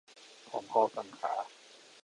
พร้อมข้อกังขา